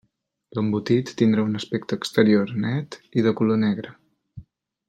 L'embotit tindrà un aspecte exterior net i de color negre.